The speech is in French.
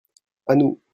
À nous.